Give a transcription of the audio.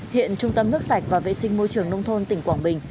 hiện trung tâm nước sạch và vệ sinh môi trường nông thôn tỉnh quảng bình